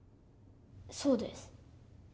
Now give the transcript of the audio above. そうです。